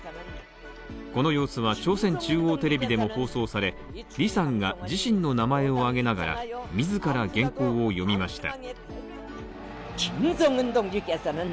この様子は朝鮮中央テレビでも放送され、リさんが自身の名前を挙げながら自ら原稿を読みました。